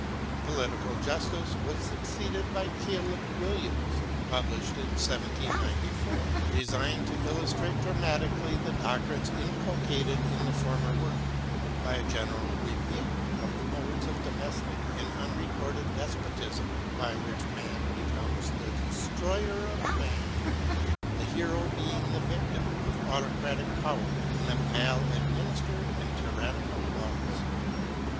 " Political Justice " was succeeded by " Caleb Williams," published in 1794, designed to illustrate dramatic ally the doctrines inculcated in the former work, by a general review of the modes of domestic and unrecorded despotism by which man becomes the destroyer of man — the hero being the victim of autocratic power and of maladministered and tyrannical laws.